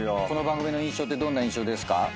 この番組の印象どんな印象ですか？